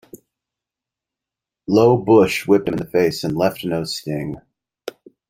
Low bush whipped him in the face and left no sting.